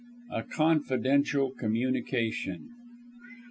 A CONFIDENTIAL COMMUNICATION.